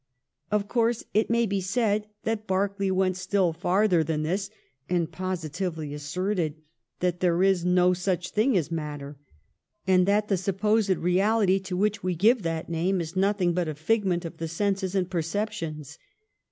Of course it may be said that Berkeley went still farther than this, and positively asserted that there is no such thing as matter, and that the supposed reality to which we give that name is nothing but a figment of the senses and perceptions.